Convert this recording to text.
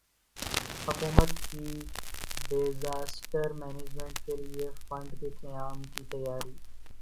حکومت کی disaster management کیلئے فنڈ کے قیام کی تیاری